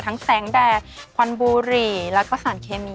แสงแดดควันบุหรี่แล้วก็สารเคมี